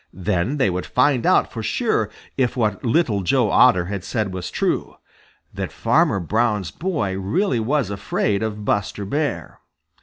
Then they would find out for sure if what Little Joe Otter had said was true, that Farmer Brown's boy really was afraid of Buster Bear.